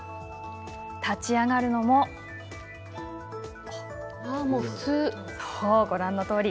立ち上がるのもご覧のとおり。